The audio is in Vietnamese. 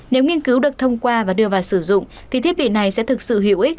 nếu nghiên cứu được thông qua và đưa vào sử dụng thì thiết bị này sẽ thực sự hữu ích